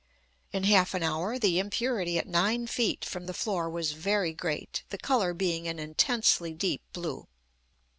In half an hour the impurity at nine feet from the floor was very great, the colour being an intensely deep blue.